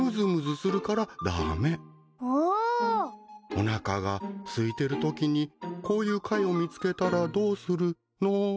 おなかがすいてるときにこういう貝を見つけたらどうするの？